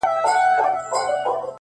گوره په ما باندي ده څومره خپه ـ